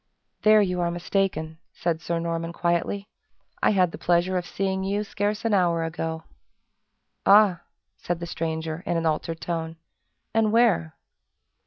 "There you are mistaken," said Sir Norman, quietly "I had the pleasure of seeing you scarce an hour ago." "Ah!" said the stranger, in an altered tone, "and where?"